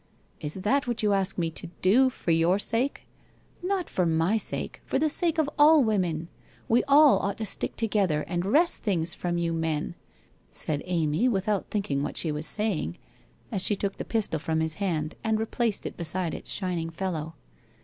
' Is that what you ask me to do, for your sake ?'' Not for my sake, but for the sake of all women — we all ought to stick together and wrest things from you men,' said Amy, without thinking wdiat she was saying, as she took the pistol from his hand and replaced it beside ite Bhining fellow.